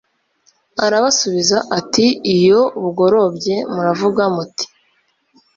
arabasubiza ati iyo bugorobye muravuga muti